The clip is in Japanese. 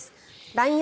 ＬＩＮＥ